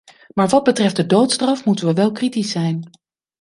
Maar wat betreft de doodstraf moeten we wel kritisch zijn.